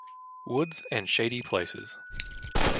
Woods and shady places.